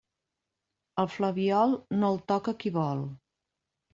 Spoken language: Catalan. El flabiol, no el toca qui vol.